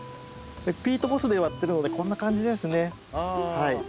ピートモスで埋わってるのでこんな感じですね。